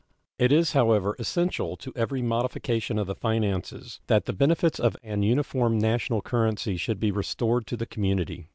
It is, however, essential to every modification of the finances that the benefits of an uniform national currency should be restored to the community.